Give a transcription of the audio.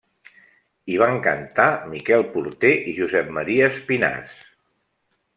Hi van cantar Miquel Porter i Josep Maria Espinàs.